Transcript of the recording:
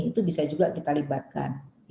itu bisa juga kita libatkan